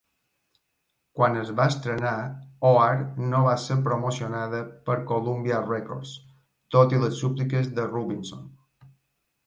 Quan es va estrenar, "Oar" no va ser promocionada per Columbia Records, tot i les súpliques de Rubinson.